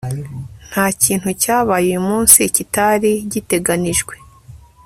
Nta kintu cyabaye uyu munsi kitari giteganijwe